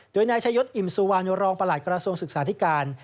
โดยนายชายศอิ่มสุวรรณรองประหลัดกระทรวงศึกษาธิการ